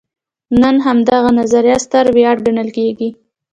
نن همدغه نظریه ستره ویاړ ګڼل کېږي.